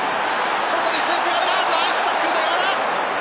外にスペースがあるがナイスタックルだ山田！